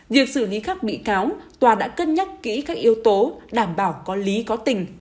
việc xử lý các bị cáo tòa đã cân nhắc kỹ các yếu tố đảm bảo có lý có tình